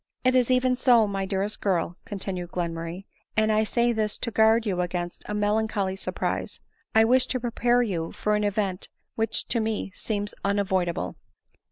" It is even so, my dearest girl," continued Glenmur ray, " and I say this to guard you against a melancholy surprise : I wish to prepare you for an event which to me seems unavoidable."